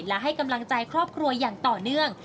และให้กำลังใจครอบครัวอย่างต่อเนื่อง